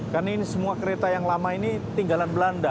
karena ini semua kereta yang lama ini tinggal di belanda